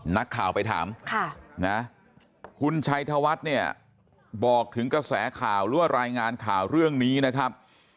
นักข่าวไปถามคุณชัยธวัฒน์บอกถึงกระแสข่าวรายงานข่าวเรื่องนี้นะครับ